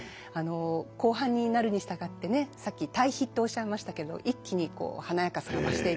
後半になるに従ってねさっき対比とおっしゃいましたけど一気に華やかさが増していく。